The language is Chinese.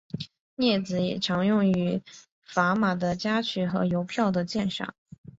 镊子也常用于砝码的夹取和邮票的鉴赏。